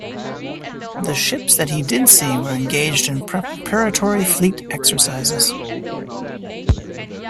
The ships that he did see were engaged in preparatory fleet exercises.